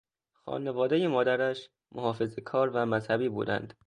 خانوادهی مادرش محافظه کار و مذهبی بودند.